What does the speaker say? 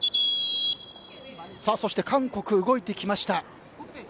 そして韓国動いてきました。